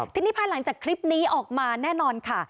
ทีนี้ภายหลังจากคลิปนี้ออกมาแน่นอนค่ะ